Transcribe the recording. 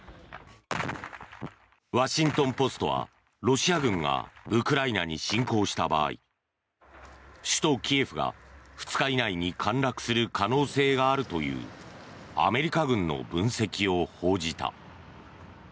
ワシントン・ポストはロシア軍がウクライナに侵攻した場合首都キエフが２日以内に陥落する可能性があるというアメリカ軍の分析を報じた。